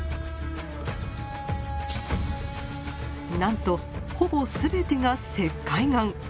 なんとほぼ全てが石灰岩！